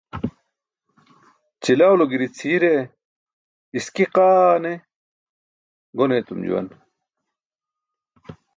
Ćilawlo giri-cʰiire iski qaa ne gon eetum juwan.